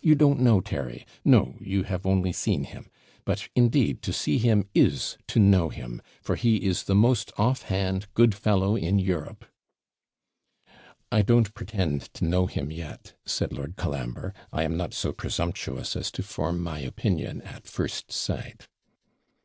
You don't know Terry? No, you have only seen him; but, indeed, to see him is to know him; for he is the most off hand, good fellow in Europe.' 'I don't pretend to know him yet,' said Lord Colambre. 'I am not so presumptuous as to form my opinion at first sight.'